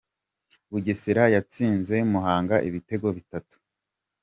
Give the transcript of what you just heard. Bugesera yatsinze muhanga ibitego bitatu